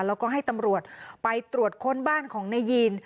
แล้วก็ให้ตำรวจไปตรวจค้นบ้านของนายยีน